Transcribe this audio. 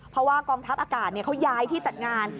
เพราะว่ากองทัพอากาศเขาย้ายที่จัดงาน